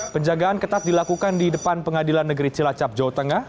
penjagaan ketat dilakukan di depan pengadilan negeri cilacap jawa tengah